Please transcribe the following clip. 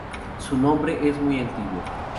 Su nombre es muy antiguo.